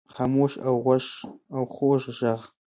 خاموش او خوږ ږغ